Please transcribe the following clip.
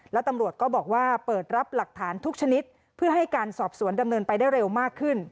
และตำรวจก็บอกว่าเปิดรับหลักฐานทุกชนิดเพื่อให้การสอบสวนดำเนินไปได้เร็วมากขึ้น